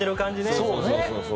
そうそうそうそう。